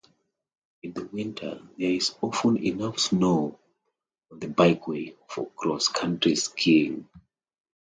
In the winter there is often enough snow on the bikeway for cross-country skiing.